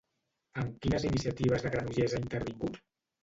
En quines iniciatives de Granollers ha intervingut?